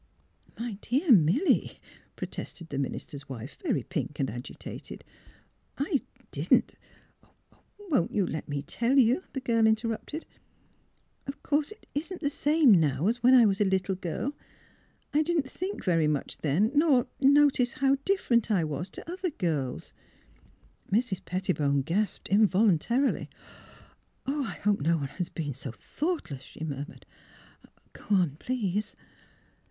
" My dear Milly," protested the minister's wife, very pink and agitated, "■ I didn't "" Won't you let me tell you? " the girl inter rupted. " Of course it isn't the same now as when I was a little girl. I didn't think very much then ; nor — nor notice how different I was to other girls " Mrs. Pettibone gasped involuntarily. *' Oh, I hope no one has been so thoughtless," she murmured. " Go on, please."